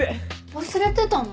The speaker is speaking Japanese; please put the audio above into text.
忘れてたの？